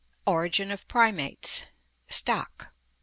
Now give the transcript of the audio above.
Origin of Primates Stock.